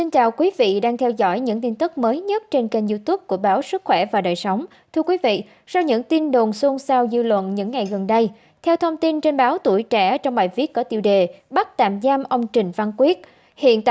các bạn hãy đăng ký kênh để ủng hộ kênh của chúng mình nhé